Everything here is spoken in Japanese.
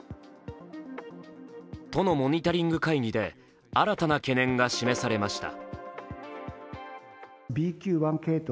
都のモニタリング会議で新たな懸念が示されました。